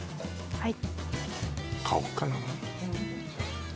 はい